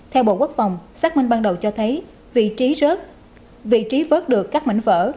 theo bộ quốc phòng xác minh ban đầu cho thấy vị trí rớt vị trí vớt được các mảnh vỡ